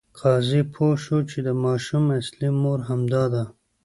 قاضي پوه شو چې د ماشوم اصلي مور همدا ده.